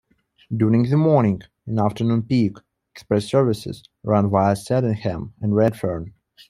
During the morning and afternoon peak, express services run via Sydenham and Redfern.